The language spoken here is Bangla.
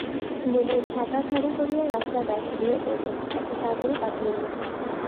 বলিয়া ছাতা ঘাড়ে করিয়া রাস্তায় বাহির হইয়া পড়িল– একটা চাদরও কাঁধে লইল না।